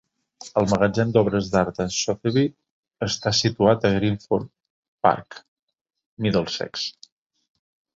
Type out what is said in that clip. El magatzem d'obres d'art de Sotheby està situat a Greenford Park, Middlesex.